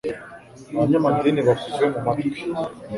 abanyamadini bakuve mu matwi